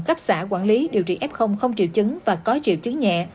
cấp xã quản lý điều trị f không triệu chứng và có triệu chứng nhẹ